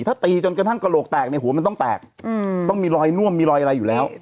ถ้าตีจนกระทั่งกระโหลกแตกในหัวมันต้องแตกต้องมีรอยน่วมมีรอยอะไรอยู่แล้ว